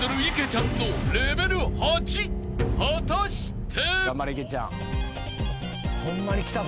［果たして］